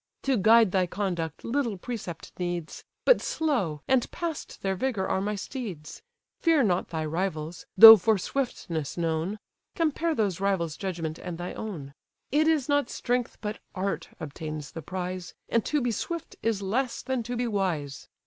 To guide thy conduct little precept needs; But slow, and past their vigour, are my steeds. Fear not thy rivals, though for swiftness known; Compare those rivals' judgment and thy own: It is not strength, but art, obtains the prize, And to be swift is less than to be wise.